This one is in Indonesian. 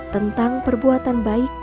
tentang perbuatan yang diperlukan